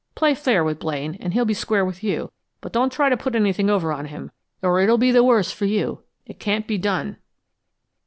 Play fair with Blaine, and he'll be square with you, but don't try to put anything over on him, or it'll be the worse for you. It can't be done."